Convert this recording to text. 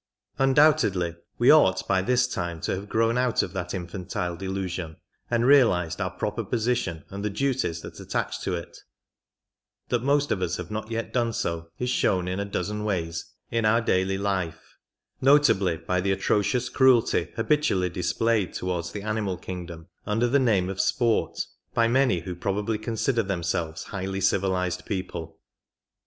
Undoubtedly we ought by this time to have grown out of that infantile delusion and realized our proper position and the duties that attach to it; that most of us have not yet done so is shown in a dozen ways in our daily life — notably by the atrocious cruelty habitually displayed towards the animal kingdom under the name of sport by many who probably consider themselves highly civilized people.